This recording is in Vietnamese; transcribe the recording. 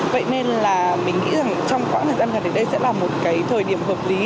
vậy nên là mình nghĩ rằng trong quãng thời gian gần đây sẽ là một cái thời điểm hợp lý